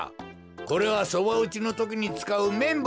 これはそばうちのときにつかうめんぼうじゃ。